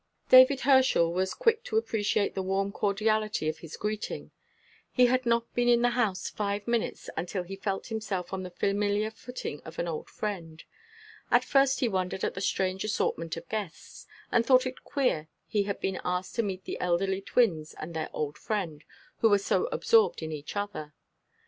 David Herschel was quick to appreciate the warm cordiality of his greeting. He had not been in the house five minutes until he felt himself on the familiar footing of an old friend. At first he wondered at the strange assortment of guests, and thought it queer he had been asked to meet the elderly twins and their old friend, who were so absorbed in each other.